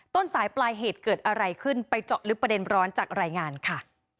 ต้นสายปลายเหตุเกิดอะไรขึ้นไปเจาะลึกประเด็นร้อนจากรายงานค่ะ